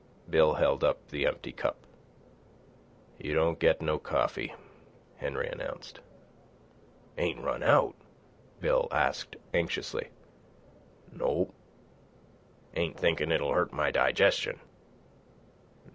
Bill held up the empty cup. "You don't get no coffee," Henry announced. "Ain't run out?" Bill asked anxiously. "Nope." "Ain't thinkin' it'll hurt my digestion?"